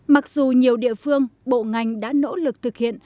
mặc dù nhiều địa phương bộ ngành đã nỗ lực thực hiện